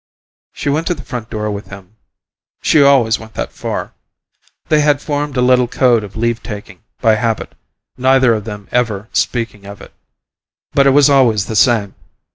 She went to the front door with him; she always went that far. They had formed a little code of leave taking, by habit, neither of them ever speaking of it; but it was always the same.